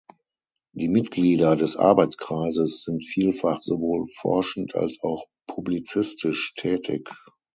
Die Mitglieder des Arbeitskreises sind vielfach sowohl forschend als auch publizistisch tätig.